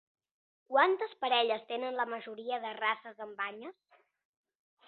Quantes parelles tenen la majoria de races amb banyes?